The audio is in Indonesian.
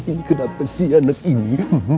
ini kenapa sih anak ini